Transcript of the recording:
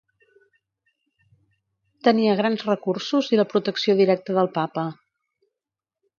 Tenia grans recursos i la protecció directa del Papa.